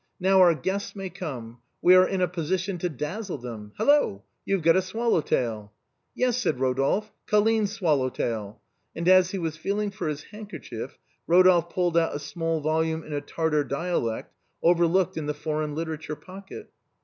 Now our guests may come ; we are in a position to dazzle them. Hello ! you have got a swallow tail !"" Yes," said Eodolphe, " Colline's swallow tail." And as he was feeling for his handkerchief, Eodolphe pulled out a small volume in a Tartar dialect, overlooked in the foreign literature pocket.